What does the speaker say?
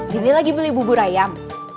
gini lagi beli bubur ayam